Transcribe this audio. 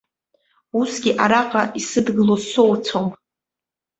Усгьы араҟа исыдгыло соуцәом.